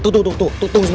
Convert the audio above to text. tunggu tunggu tunggu